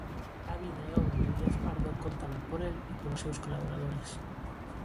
A vida e obra de Díaz Pardo, contada por el e polos seus colaboradores.